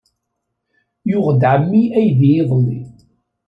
Yuɣ-d ɛemmi aydi iḍelli.